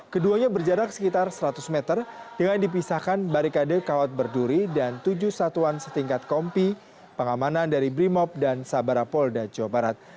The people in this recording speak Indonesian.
keduanya berjarak sekitar seratus meter dengan dipisahkan barikade kawat berduri dan tujuh satuan setingkat kompi pengamanan dari brimob dan sabara polda jawa barat